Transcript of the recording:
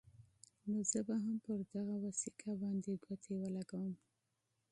نو زه به هم پر دغه وثیقه باندې ګوتې ولګوم.